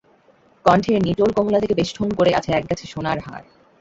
কণ্ঠের নিটোল কোমলতাকে বেষ্টন করে আছে একগাছি সোনার হার।